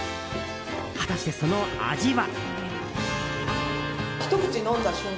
果たして、その味は。